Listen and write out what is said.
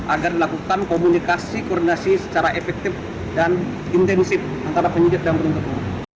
agar dilakukan komunikasi koordinasi secara efektif dan intensif antara penyidik dan penuntut umum